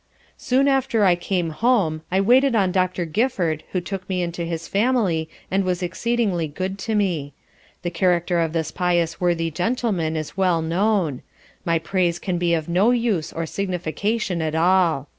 Soon after I came home, I waited on Doctor Gifford who took me into his family and was exceedingly, good to me. The character of this pious worthy Gentleman is well known; my praise can be of no use or signification at all.